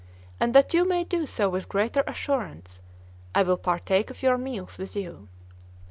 And that you may do so with greater assurance, I will partake of your meals with you."